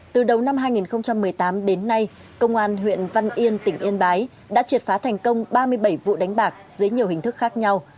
từ đầu năm hai nghìn một mươi tám đến nay công an huyện văn yên tỉnh yên bái đã triệt phá thành công ba mươi bảy vụ đánh bạc dưới nhiều hình thức khác nhau